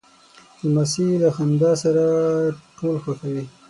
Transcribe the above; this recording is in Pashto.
لمسی له خندا سره ټول خوښوي.